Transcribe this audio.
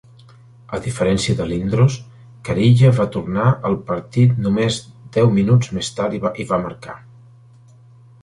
A diferència de Lindros, Kariya va tornar al partit només deu minuts més tard i va marcar.